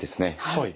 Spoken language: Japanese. はい。